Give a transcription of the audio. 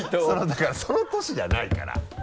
だからそのＴｏｓｈｌじゃないから。